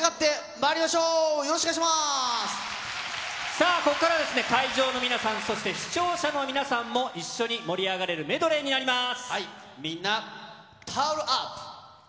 さあ、ここからは会場の皆さん、そして視聴者の皆さんも一緒に盛り上がれるメドレーになりまみんな、タオルアップ。